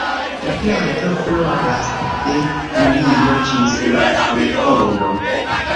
La planto floras de julio ĝis la aŭtuno.